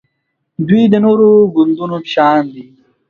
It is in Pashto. دوی د نورو ګوندونو په شان دي